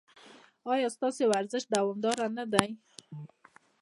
ایا ستاسو ورزش دوامدار نه دی؟